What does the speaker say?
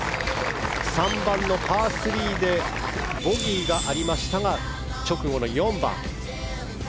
３番のパー３でボギーがありましたが直後の４番。